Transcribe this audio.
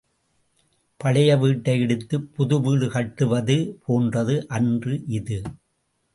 பழைய வீட்டை இடித்துப் புது வீடு கட்டுவது போன்றது அன்று இது.